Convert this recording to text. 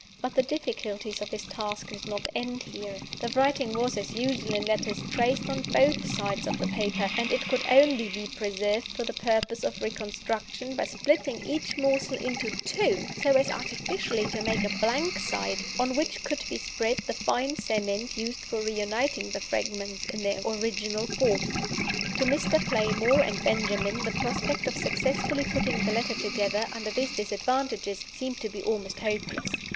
But the difficulties of his task did not end here. The writing was (as usual in letters) traced on both sides of the paper, and it could only be preserved for the purpose of reconstruction by splitting each morsel into two so as artificially to make a blank side, on which could be spread the fine cement used for reuniting the fragments in their original form. To Mr. Playmore and Benjamin the prospect of successfully putting the letter together, under these disadvantages, seemed to be almost hopeless.